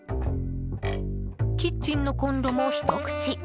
キッチンのコンロも１口。